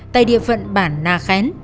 tại địa phận bản nà khén